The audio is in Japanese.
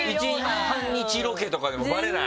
半日ロケとかでもバレない？